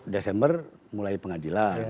desember mulai pengadilan